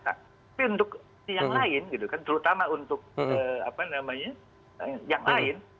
tapi untuk yang lain gitu kan terutama untuk apa namanya yang lain